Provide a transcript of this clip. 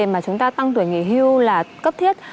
mà chúng ta tăng tuổi nghỉ hưu là cấp thiết